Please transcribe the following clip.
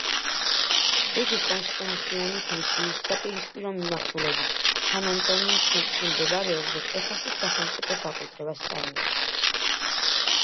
იგი კონსეპსიონის მისიის საპირისპირო მიმართულებით, სან-ანტონიოს ცენტრში მდებარეობს და ტეხასის სახელმწიფო საკუთრებას წარმოადგენს.